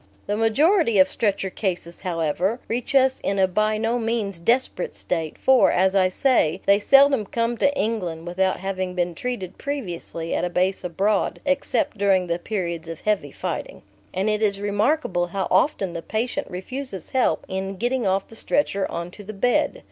The majority of stretcher cases, however, reach us in a by no means desperate state, for, as I say, they seldom come to England without having been treated previously at a base abroad (except during the periods of heavy fighting). And it is remarkable how often the patient refuses help in getting off the stretcher on to the bed.